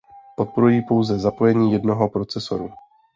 Podporují pouze zapojení jednoho procesoru.